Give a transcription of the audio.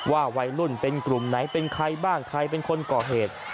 ว่าวัยรุ่นเป็นกลุ่มไหนเป็นใครบ้างใครเป็นคนก่อเหตุ